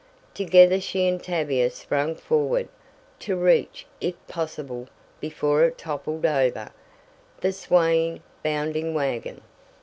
Together she and Tavia sprang forward, to reach, if possible, before it toppled over, the swaying, bounding wagon.